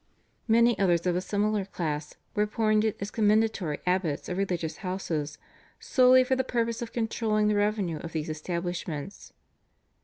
Many others of a similar class were appointed as commendatory abbots of religious houses solely for the purpose of controlling the revenue of these establishments.